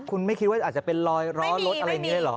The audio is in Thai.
คุณไม่คิดว่าอาจจะเป็นรอยร้อนรถอะไรเงี้ยหรอ